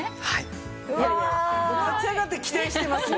もう立ち上がって期待してますよ。